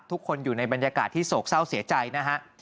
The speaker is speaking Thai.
ทุกคนอยู่ในบรรยากาศที่โศกเศร้าเสียใจนะฮะ